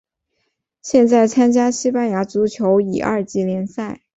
现在参加西班牙足球乙二级联赛。